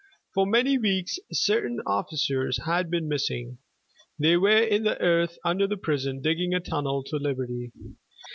For many weeks certain officers had been missing. They were in the earth under the prison, digging a tunnel to liberty.